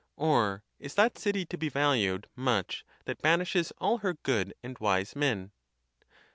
Or is that city to be valued much that banishes all her good and wise men?